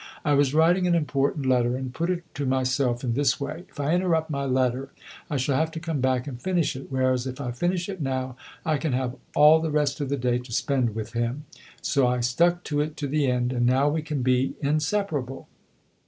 "I was writing an important letter and I put it to myself in this way: 'If I interrupt my letter I shall have to come back and finish it; whereas if I finish it now, I can have all the rest of the day to spend with him.' So I stuck to it to the end, and now we can be inseparable."